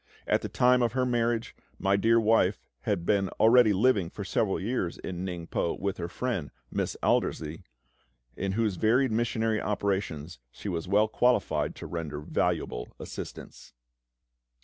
At the time of her marriage, my dear wife had been already living for several years in Ningpo with her friend, Miss Aldersey, in whose varied missionary operations she was well qualified to render valuable assistance.